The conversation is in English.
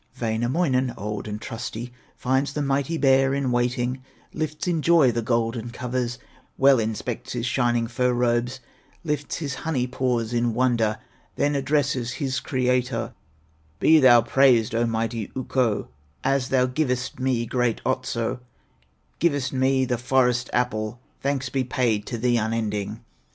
Wainamoinen, old and trusty, Finds the mighty bear in waiting, Lifts in joy the golden covers, Well inspects his shining fur robes; Lifts his honey paws in wonder, Then addresses his Creator: "Be thou praised, O mighty Ukko, As thou givest me great Otso, Givest me the Forest apple, Thanks be paid to thee unending."